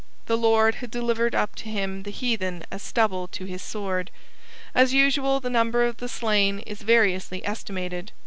The Lord had delivered up to him the heathen as stubble to his sword. As usual the number of the slain is variously estimated.